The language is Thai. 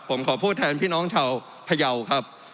ผมขอโทษแทนพี่น้องชาวพยาวครับ